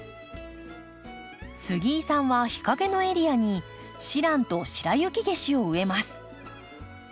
杉井さんは日陰のエリアにシランとシラユキゲシを植えます。